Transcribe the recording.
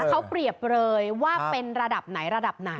เขาเปรียบเลยว่าเป็นระดับไหนระดับไหน